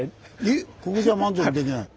えっここじゃ満足できない。